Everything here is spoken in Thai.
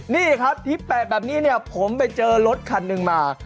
นี่ครับที่แปะแบบนี้เนี่ยผมไปเจอรถคันหนึ่งมา